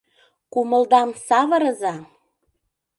Кумылдам савырыза!